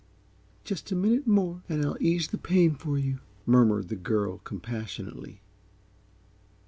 "Just a minute more and I'll ease the pain for you," murmured the girl, compassionately.